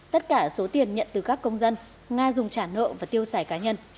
tất cả số tiền nhận từ các công dân nga dùng trả nợ và tiêu xài cá nhân